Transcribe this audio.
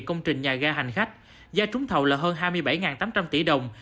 công trình nhà ga hành khách giá trúng thầu là hơn hai mươi bảy tám trăm linh tỷ đồng